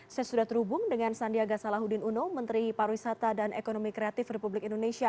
saya sudah terhubung dengan sandiaga salahuddin uno menteri pariwisata dan ekonomi kreatif republik indonesia